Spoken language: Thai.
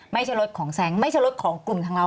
ไม่ใช่รถของแซงไม่ใช่รถของกลุ่มทางเรา